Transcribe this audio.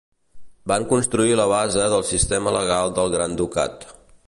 Van constituir la base del sistema legal del Gran Ducat.